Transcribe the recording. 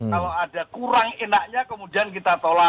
kalau ada kurang enaknya kemudian kita tolak